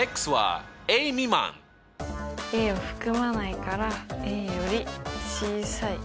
はい。を含まないからより小さい。